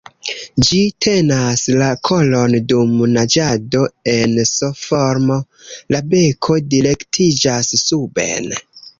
Ĝi tenas la kolon dum naĝado en S-formo, la beko direktiĝas suben.